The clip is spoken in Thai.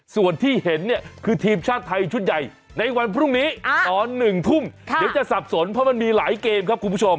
ส่วนที่เห็นเนี่ยคือทีมชาติไทยชุดใหญ่ในวันพรุ่งนี้ตอน๑ทุ่มเดี๋ยวจะสับสนเพราะมันมีหลายเกมครับคุณผู้ชม